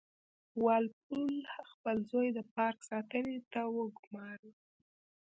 وال پول خپل زوی د پارک ساتنې ته وګوماره.